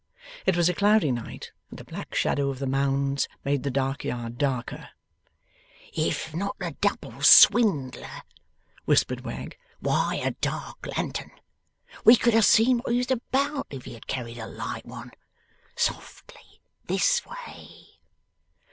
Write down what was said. It was a cloudy night, and the black shadow of the Mounds made the dark yard darker. 'If not a double swindler,' whispered Wegg, 'why a dark lantern? We could have seen what he was about, if he had carried a light one. Softly, this way.